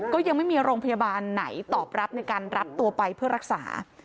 ก็ยังไม่มีโรงพยาบาลไหนตอบรับในการรับตัวไปเพื่อรักษา